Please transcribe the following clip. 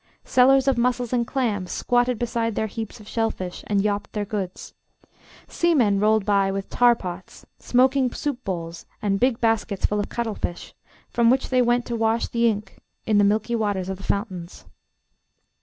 Sellers of mussels and clams squatted beside their heaps of shellfish and yawped their goods. Seamen rolled by with tar pots, smoking soup bowls, and big baskets full of cuttlefish, from which they went to wash the ink in the milky waters of the fountains.